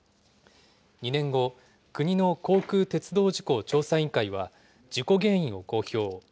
２年後、国の航空・鉄道事故調査委員会は事故原因を公表。